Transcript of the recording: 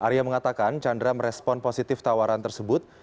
arya mengatakan chandra merespon positif tawaran tersebut